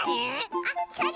あっそれ！